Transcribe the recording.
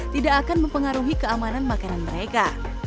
tidak akan mempengaruhi keamanan makanan mereka